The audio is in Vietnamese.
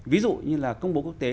ví dụ như là công bố quốc tế